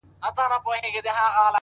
o چاته د دار خبري ډيري ښې دي؛